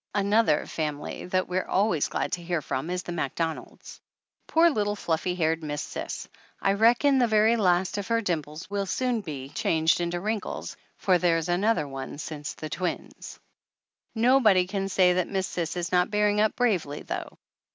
Another family that we're always glad to hear from is the Macdonalds. Poor little fluffy haired Miss Cis! I reckon the very last of her dimples will soon be changed into wrinkles, for there's another one since the twins ! Nobody can say that Miss Cis is not bearing up bravely, though.